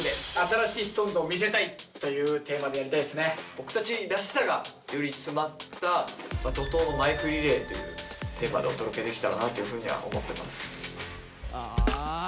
僕たちらしさがよく詰まった怒濤のマイクリレーというテーマでお届けできたらなと思ってます。